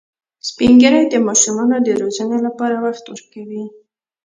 سپین ږیری د ماشومانو د روزنې لپاره وخت ورکوي